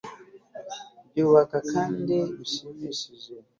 byubaka kandi bishimishije